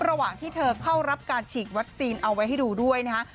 ระหว่างที่เธอเข้ารับการฉีดวัคซีนเอาไว้ให้ดูด้วยนะฮะ